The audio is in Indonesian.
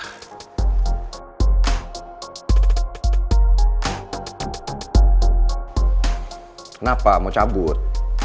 kenapa mau cabut